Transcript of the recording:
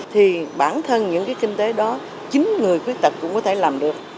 thì bản thân những cái kinh tế đó chính người khuyết tật cũng có thể làm được